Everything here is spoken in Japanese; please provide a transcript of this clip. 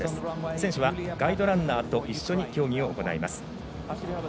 選手はガイドランナーと一緒に競技を行います。